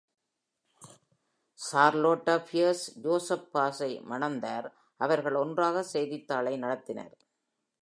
சார்லோட்டா Spears Joseph பாஸை மணந்தார், அவர்கள் ஒன்றாக செய்தித்தாளை நடத்தினர்.